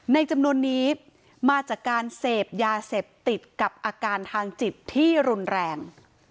จำนวนนี้มาจากการเสพยาเสพติดกับอาการทางจิตที่รุนแรง